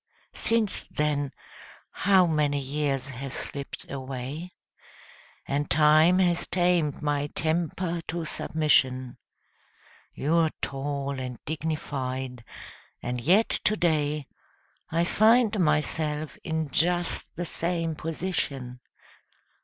Since then how many years have slipped away ? And time has tamed my temper to submission. You're tall and dignified, and yet to day I find myself in just the same position.